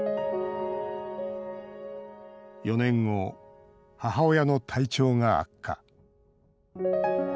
４年後、母親の体調が悪化。